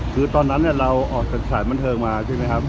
คือตอนนั้นเนี่ยเราออกจากสถานบนเทิงมาใช่มั้ยครับ